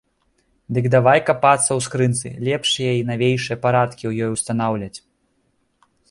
Дык давай капацца ў скрынцы, лепшыя й навейшыя парадкі ў ёй устанаўляць.